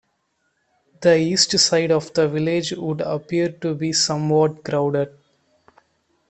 The east side of the village would appear to be somewhat crowded.